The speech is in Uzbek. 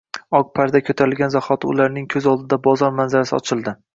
Oq parda ko‘tarilgan zahoti ularning ko‘z oldida bozor manzarasi ochildi...